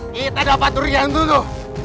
kita dapat durian dulu